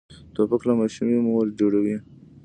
توپک له ماشومې مور جوړوي.